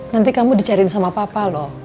nanti kamu dicairin sama papa loh